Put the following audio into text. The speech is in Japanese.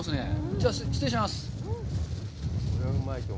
じゃあ失礼します。